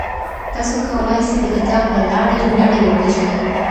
تاسو کولای سئ د کتاب له لاري نړۍ وپېژنئ.